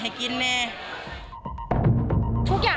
สาธารณาหน้าเป็นเรื่องที่จะทำได้